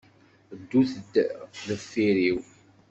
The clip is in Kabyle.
Ddut-d deffir-iw.